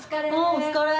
お疲れ。